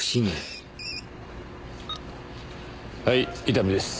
はい伊丹です。